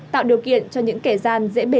tạo điều kiện cho những kẻ ra